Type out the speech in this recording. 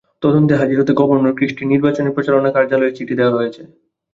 তদন্তে হাজির হতে গভর্নর ক্রিস্টির নির্বাচনী প্রচারণা কার্যালয়ে চিঠি দেওয়া হয়েছে।